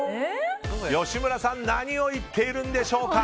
吉村さん何を言っているんでしょうか。